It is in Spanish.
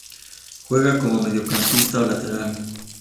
Juega como mediocampista o lateral.